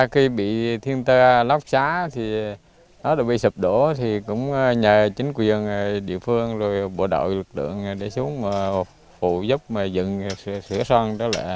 khi bị thiên tơ lóc xá thì nó bị sụp đổ thì cũng nhờ chính quyền địa phương rồi bộ đội lực lượng để xuống phụ giúp dựng sửa son